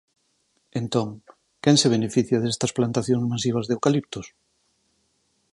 Entón, quen se beneficia destas plantacións masivas de eucaliptos?